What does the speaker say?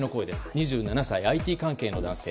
２７歳、ＩＴ関係の男性。